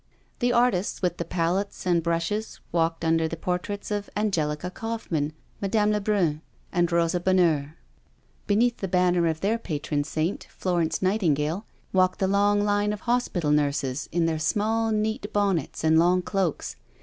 The artists with the palettes and brushes walked under the portraits of Angelica Kaufmann, Mme. Le Brun and Rosa Bonheur. THE PASSING OF THE WOMEN 323 Beneath the banner of their patron saint, Florence Nightingale, walked the long line of hospital nurses in their small, neat bonnets and long cloaks.